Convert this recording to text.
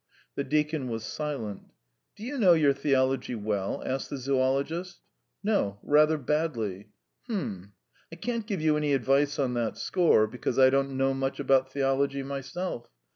The deacon was silent. "Do you know your theology well?" asked the zoologist. "No, rather badly." "H'm! ... I can't give you any advice on that score, because I don't know much about theology myself.